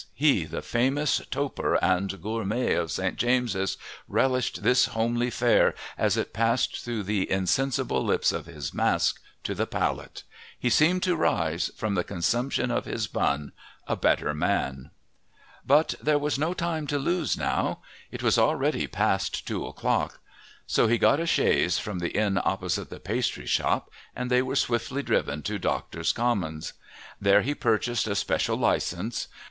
he, the famous toper and gourmet of St. James's, relished this homely fare, as it passed through the insensible lips of his mask to the palate. He seemed to rise, from the consumption of his bun, a better man. But there was no time to lose now. It was already past two o'clock. So he got a chaise from the inn opposite the pastry shop, and they were swiftly driven to Doctors' Commons. There he purchased a special licence.